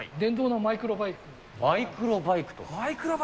マイクロバイク。